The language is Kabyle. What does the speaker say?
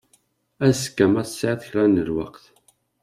Azekka ma tesɛiḍ kra n lweqt.